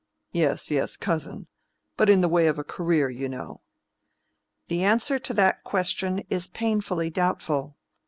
"Yes, yes, cousin. But in the way of a career, you know." "The answer to that question is painfully doubtful.